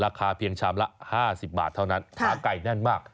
ราคาเพียงชามละ๕๐บาทเท่านั้นขาไก่แน่นมาก